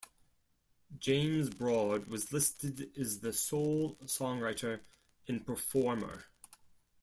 James Broad was listed as the sole songwriter and performer.